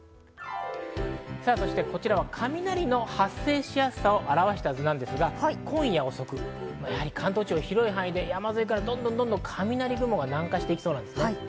そして、こちらは雷の発生しやすさを表した図なんですが、今夜遅く関東地方、広い地域で雷雲が南下してきそうなんです。